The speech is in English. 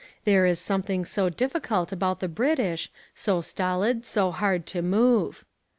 There is something so difficult about the British, so stolid, so hard to move.